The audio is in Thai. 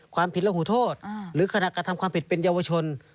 ความผิดระหูโทษหรือขณะกระทำความผิดเป็นเยาวชน